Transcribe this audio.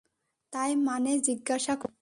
তাই মানে জিজ্ঞাসা করছি।